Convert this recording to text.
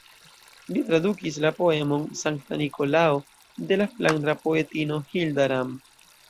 Li tradukis la poemon "Sankta Nikolao" de la flandra poetino Hilda Ram.